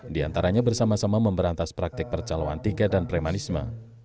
di antaranya bersama sama memberantas praktik percaloan tiga dan premanisme